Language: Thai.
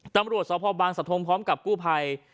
ตำรวจสพบางสะทงพร้อมกับกู้ภัย